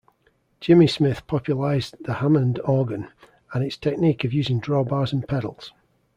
Jimmy Smith popularised the Hammond organ, and its technique of using drawbars and pedals.